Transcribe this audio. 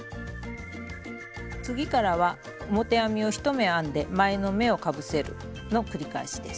次からは表編みを１目編んで前の目をかぶせるの繰り返しです。